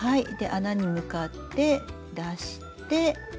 穴に向かって出して。